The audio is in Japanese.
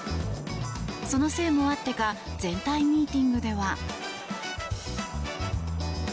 そのせいもあってか全体ミーティングでは。